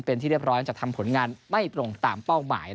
เป็นที่เรียบร้อยจะทำผลงานไม่ตรงตามเป้าหมาย